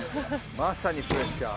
まさにプレッシャー。